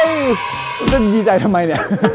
ไม่จัดดีใจทำไมเนี่ย